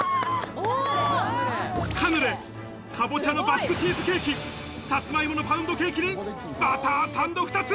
カヌレ、かぼちゃのバスクチーズケーキ、サツマイモのパウンドケーキにバターサンド２つ。